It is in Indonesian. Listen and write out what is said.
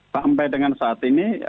sampai dengan saat ini